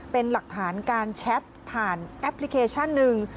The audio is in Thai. เป็นหลักฐานการแชทผ่านแอปพลิเคชันหนึ่ง